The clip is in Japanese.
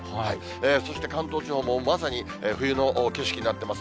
そして関東地方もまさに冬の景色になっています。